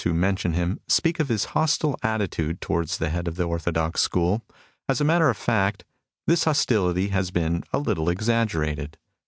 TREATMENT OP CONFUCIUS 25 his hostile attitude towards the head of the orthodox school. As a matter of fact, this hostility has been a little exaggerated.